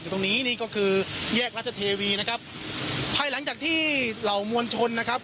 ตรงนี้นี่ก็คือแยกราชเทวีนะครับภายหลังจากที่เหล่ามวลชนนะครับ